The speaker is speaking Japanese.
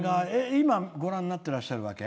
今ご覧になってらっしゃるわけ？